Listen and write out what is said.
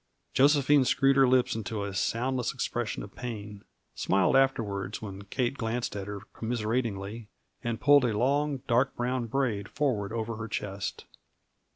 Josephine screwed her lips into a soundless expression of pain, smiled afterwards when Kate glanced at her commiseratingly, and pulled a long, dark brown braid forward over her chest.